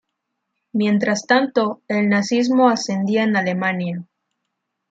Mientras tanto el nazismo ascendía en Alemania.